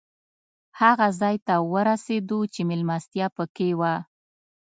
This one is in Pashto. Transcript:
هغه ځای ته ورسېدو چې مېلمستیا پکې وه.